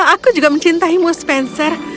aku juga mencintaimu spencer